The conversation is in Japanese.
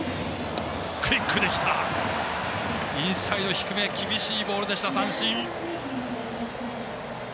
インサイド低め厳しいボールでした、三振。